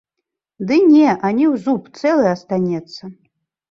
Ды не, ані ў зуб, цэлай астанецца.